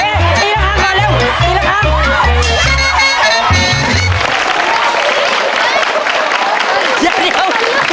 เดี๋ยวเดี๋ยว